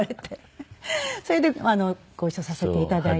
それでご一緒させて頂いて。